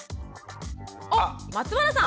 あっ松原さん。